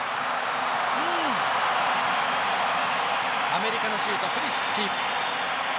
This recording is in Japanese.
アメリカのシュート、プリシッチ。